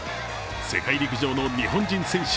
世界陸上の日本人選手